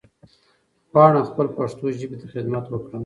غواړم خپل پښتو ژبې ته خدمت وکړم